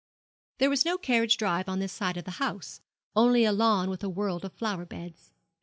There was no carriage drive on this side of the house, only a lawn with a world of flower beds.